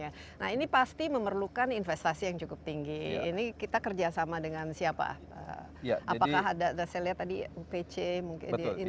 nah ini pasti memerlukan investasi yang cukup tinggi ini kita kerjasama dengan siapa apakah ada saya lihat tadi upc mungkin